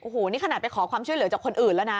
โอ้โหนี่ขนาดไปขอความช่วยเหลือจากคนอื่นแล้วนะ